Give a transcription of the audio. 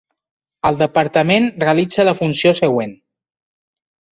El departament realitza la funció següent.